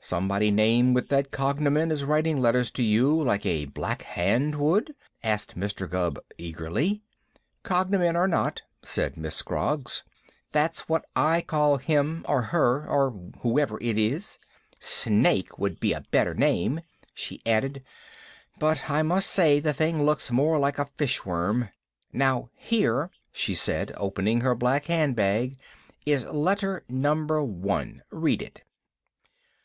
"Somebody named with that cognomen is writing letters to you like a Black Hand would?" asked Mr. Gubb eagerly. "Cognomen or not," said Miss Scroggs, "that's what I call him or her or whoever it is. Snake would be a better name," she added, "but I must say the thing looks more like a fish worm. Now, here," she said, opening her black hand bag, "is letter Number One. Read it."